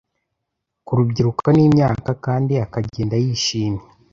Ku rubyiruko n'imyaka, kandi akagenda yishimye.